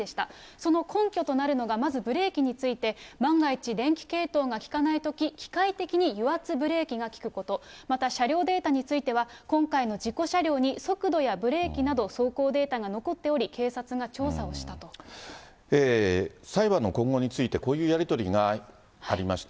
その根拠となるのが、まずブレーキについて、万が一、電気系統が利かないとき、機械的に油圧ブレーキが効くこと、また車両データについては、今回の事故車両に速度やブレーキなど、走行データが残っており、裁判の今後について、こういうやり取りがありました。